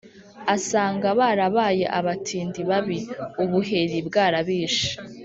asanga barabaye abatindi babi, ubuheri bwarabishe,